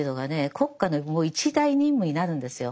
国家のもう一大任務になるんですよ。